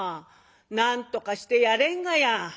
「なんとかしてやれんがや」。